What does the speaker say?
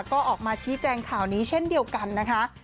ก็ออกมาชี้แจงข่าวนี้เช่นเดียวกันนะคะ